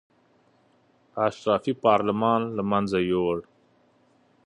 اشرافي پارلمان له منځه یې یووړ.